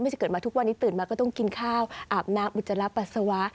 จะเกิดมาทุกวันนี้ตื่นมาก็ต้องกินข้าวอาบน้ำอุจจาระปัสสาวะ